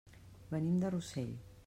Venim de Rossell.